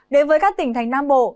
đối với các tỉnh thành nam bộ